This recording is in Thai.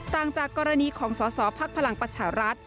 จากกรณีของสอสอภักดิ์พลังประชารัฐ